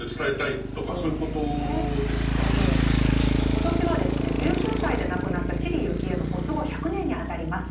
今年はですね１９歳で亡くなった知里幸恵の没後１００年にあたります。